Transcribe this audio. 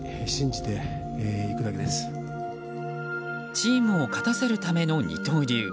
チームを勝たせるための二刀流。